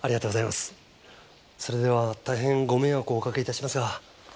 それでは大変ご迷惑をおかけしますが。